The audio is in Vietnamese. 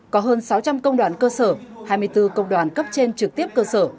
có hơn sáu trăm linh công đoàn cơ sở hai mươi bốn công đoàn cấp trên trực tiếp cơ sở